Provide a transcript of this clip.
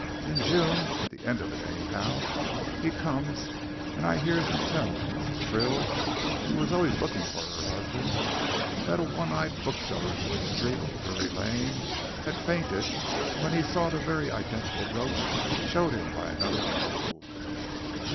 In June at the end of it anyhow he comes and I hears him tells Mrs. Krill, who was always looking for her husband, that a one eyed bookseller in Gwynne Street, Drury Lane, had fainted when he saw the very identical brooch showed him by another cove."